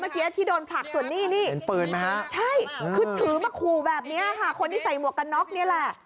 ที่โดนผลักส่วนนี้นี่เป็นปืนไหมฮะใช่คือถือมาขู่แบบนี้ค่ะคนที่ใส่หมวกกันน็อกนี่แหละ